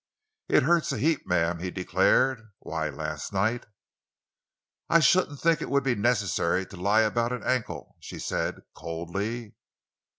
"It hurts a heap, ma'am," he declared. "Why, last night——" "I shouldn't think it would be necessary to lie about an ankle," she said, coldly.